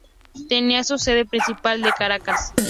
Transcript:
Tenía su sede principal en Caracas.